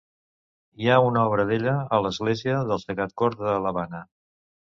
Hi ha una obra d’ella a l’església del Sagrat Cor de l’Havana.